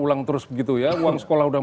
ulang terus begitu ya uang sekolah sudah